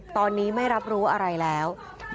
ตอนนี้ไม่รับรู้อะไรแล้ว